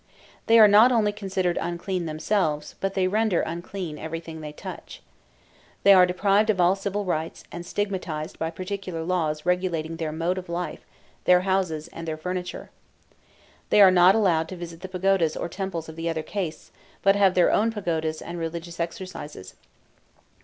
They are not only considered unclean themselves, but they render unclean everything they touch. They are deprived of all civil rights, and stigmatized by particular laws regulating their mode of life, their houses, and their furniture. They are not allowed to visit the pagodas or temples of the other castes, but have their own pagodas and religious exercises.